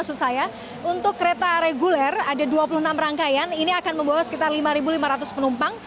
maksud saya untuk kereta reguler ada dua puluh enam rangkaian ini akan membawa sekitar lima lima ratus penumpang